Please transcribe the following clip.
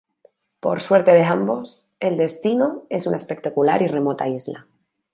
Por suerte de ambos, el destino es una espectacular y remota isla.